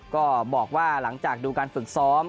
ก็บอกว่าหลังจากดูการฝึกซ้อม